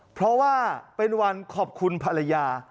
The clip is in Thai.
เพราะว่าเป็นวันขอบคุณภรรยา